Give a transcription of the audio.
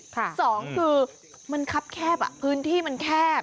สองทั้งที่มันครับแคบอ่ะพื้นที่มันแคบ